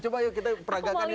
coba yuk kita peragakan ini